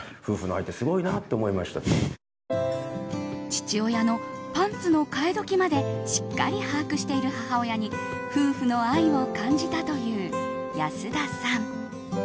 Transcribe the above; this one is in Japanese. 父親のパンツの変え時までしっかり把握している母親に夫婦の愛を感じたという安田さん。